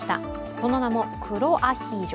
その名も、黒アヒージョ。